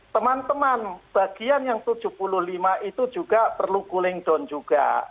teman teman bagian yang tujuh puluh lima itu juga perlu cooling down juga